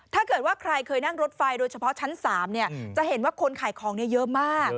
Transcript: ถ้าเกิดว่าใครเคยนั่งรถไฟโดยเฉพาะชั้น๓จะเห็นว่าคนขายของเยอะมาก